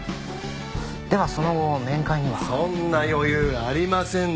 ではその後面会には？そんな余裕ありませんでした。